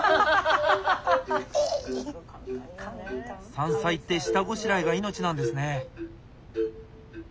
山菜って下ごしらえが命なんですね。